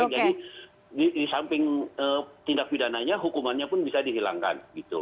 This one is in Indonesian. jadi di samping tindak pidananya hukumannya pun bisa dihilangkan